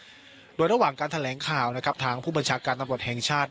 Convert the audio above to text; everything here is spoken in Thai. โดยระหว่างการแถลงข่าวนะครับทางผู้บัญชาการตำรวจแห่งชาติ